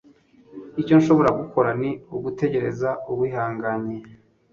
icyo nshobora gukora ni ugutegereza wihanganye